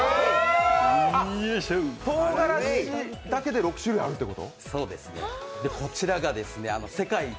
とうがらしだけで６種類あるってこと？